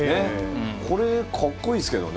これ、格好いいですけどね。